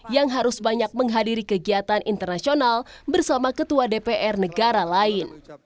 yang harus banyak menghadiri kegiatan internasional bersama ketua dpr negara lain